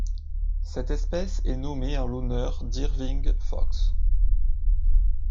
Cette espèce est nommée en l'honneur d'Irving Fox.